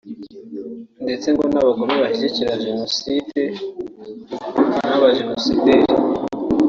ndetse ngo n’Abagome bashyigikira Jenoside n’abajenosideri